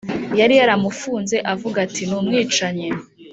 yari yaramufunze avuga ati numwicanyi